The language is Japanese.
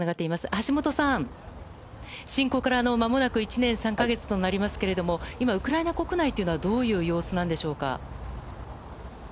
橋本さん、侵攻からまもなく１年３か月となりますが今、ウクライナ国内はどういう様子なんでしょうか。